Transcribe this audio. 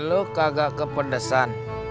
lo kagak kepedesan